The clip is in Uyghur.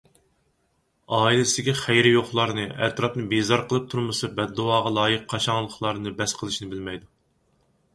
ئائىلىسىگە خەيرى يوقلارنى، ئەتراپنى بىزار قىلىپ تۇرمىسا بەددۇئاغا لايىق قاشاڭلىقلارنى بەس قىلىشنى بىلمەيدۇ.